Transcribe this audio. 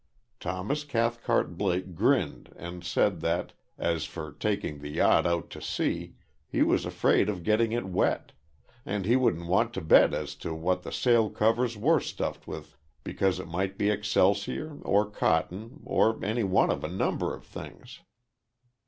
Thomas Cathcart Blake grinned and said that, as for taking the yacht out to sea, he was afraid of getting it wet; and he wouldn't want to bet as to what the sail covers were stuffed with because it might be excelsior, or cotton, or any one of a number of things.